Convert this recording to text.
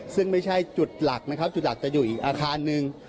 ซึ่งไม่ใช่จุดหลักนะครับจุดหลักจะอยู่อีกอาคารหนึ่ง